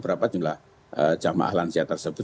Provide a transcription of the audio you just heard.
berapa jumlah jamaah lansia tersebut